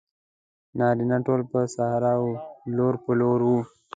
نارینه ټول پر صحرا وو لور په لور وو.